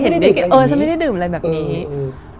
ฉันไม่ได้ดื่มอะไรแบบนี้เออฉันไม่ได้ดื่มอะไรแบบนี้เออเออ